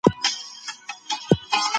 موږ ناوخته راورسېدو او دروازه بنده وه.